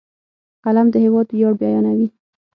قلم د هېواد ویاړ بیانوي